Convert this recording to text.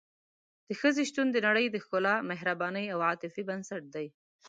د ښځې شتون د نړۍ د ښکلا، مهربانۍ او عاطفې بنسټ دی.